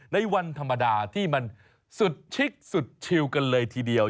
ในวันธรรมดาที่มันสุดชิคสุดชิลกันเลยทีเดียว